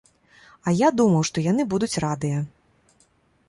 А я думаў, што яны будуць радыя!